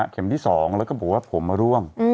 ที่๒แล้วก็บอกว่าผมมาร่วง